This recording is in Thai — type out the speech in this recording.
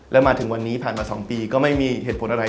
แล้วมาถึงวันนี้ผ่านมา๒ปีก็ไม่มีเหตุผลอะไร